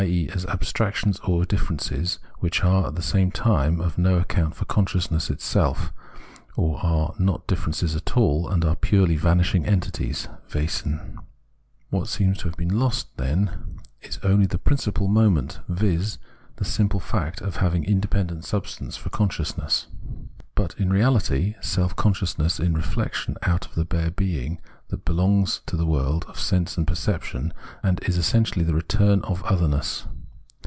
e. as abstractions or differences, which are, at the same time, of no account for consciousness itself, or are not differences at all, and are purely vanishing entities (Wesen). What seems to have been lost, then, is only the principal moment, viz. the simple fact of having 166 Phenomenology of Mind independent subsistence for consciousness. But, in reality, self consciousness is reflexion out of the bare being that belongs to the world of sense and perception, and is essentially the return out of otherness.